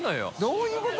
どういうこと？